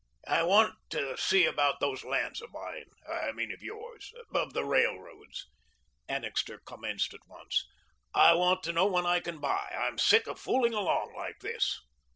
"I want to see about those lands of mine I mean of yours of the railroad's," Annixter commenced at once. "I want to know when I can buy. I'm sick of fooling along like this."